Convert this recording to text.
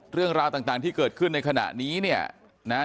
เรื่องราวต่างที่เกิดขึ้นในขณะนี้เนี่ยนะฮะ